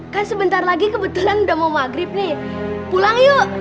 kan sebentar lagi kebetulan udah mau maghrib nih pulang yuk